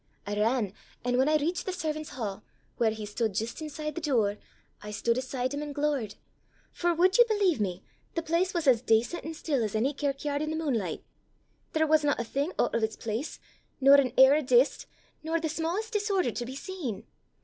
I ran, an' whan I reached the servan's ha', whaur he stood jist inside the door, I stood aside him an' glowert. For, wad ye believe me! the place was as dacent an' still as ony kirkyard i' the munelicht! There wasna a thing oot o' it's place, nor an air o' dist, nor the sma'est disorder to be seen!